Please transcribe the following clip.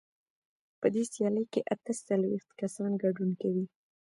په دې سیالۍ کې اته څلوېښت کسان ګډون کوي.